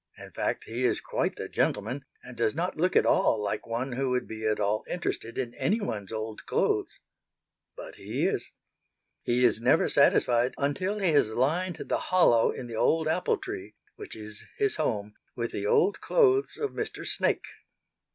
In fact he is quite the gentleman, and does not look at all like one who would be at all interested in any one's old clothes. But he is. He is never satisfied until he has lined the hollow in the old apple tree, which is his home, with the old clothes of Mr. Snake.